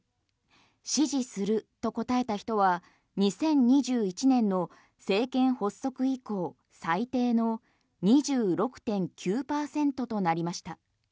支持すると答えた人は２０２１年の政権発足以降最低の２６．９％となりました。